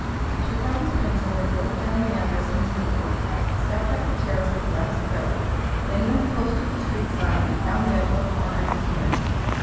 He took out his pencil, and wrote down the address in his note book, stepped up the terrace and glanced about, then went close to the street sign, and found out what corner it was near.